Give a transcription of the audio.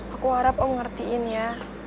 aku harap oh ngertiin ya